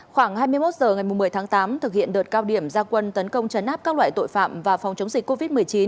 khoảng hai mươi một h ngày một mươi tháng tám thực hiện đợt cao điểm gia quân tấn công chấn áp các loại tội phạm và phòng chống dịch covid một mươi chín